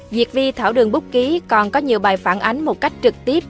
duyệt vi thảo đường búc ký còn có nhiều bài phản ánh một cách trực tiếp